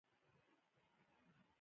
خپل فکرونه او احساسات تحلیل کوو.